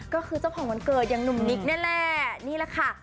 ก็คือเจ้าผ่อนวันเกิดอย่างหนุ่มนิกนั่นแหละ